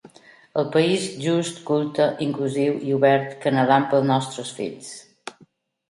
El país just, culte, inclusiu i obert que anhelem pels nostres fills.